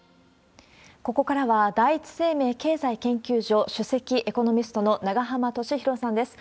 ここからは、第一生命経済研究所首席エコノミストの永濱利廣さんです。